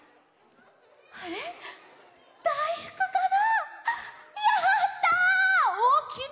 あれだいふくかな？